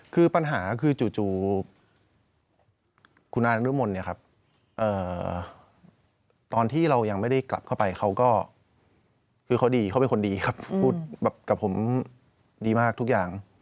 คือปัญหาคือจู่คุณอานุมลเนี่ยครับตอนที่เรายังไม่ได้กลับเข้าไปเขาก็คือเขาดีเขาเป็นคนดีครับพูดแบบกับผมดีมากทุกอย่าง